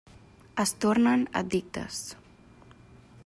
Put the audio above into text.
Es tornen addictes.